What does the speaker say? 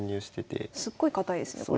確かにすごい堅いですねこれ。